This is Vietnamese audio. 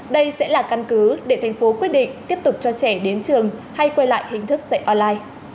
đây sẽ là căn cứ để thành phố quyết định tiếp tục cho trẻ đến trường hay quay lại hình thức dạy online